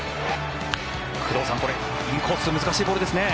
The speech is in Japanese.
工藤さん、これインコース、難しいボールです。